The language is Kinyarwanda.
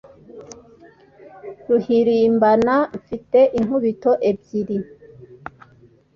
Ruhirimbana mfite inkubito ebyiri